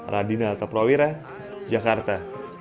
radina altaprawira jakarta